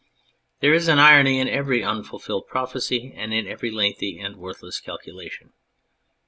There is an irony in every unfulfilled prophecy and in every lengthy and worthless calculation.